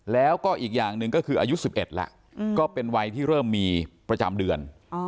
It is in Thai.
แล้วก็อีกอย่างหนึ่งก็คืออายุ๑๑แล้วก็เป็นวัยที่เริ่มมีประจำเดือน